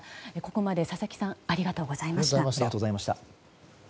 ここまで佐々木さんありがとうございました。